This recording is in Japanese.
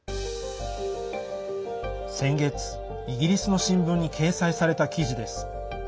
先月、イギリスの新聞に掲載された記事です。